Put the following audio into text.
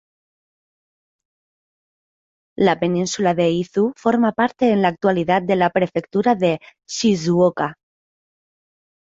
La península de Izu forma parte en la actualidad de la prefectura de Shizuoka.